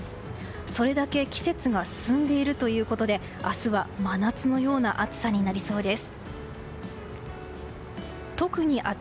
それだけ季節が進んでいるということで明日は真夏のような暑さになりそうです。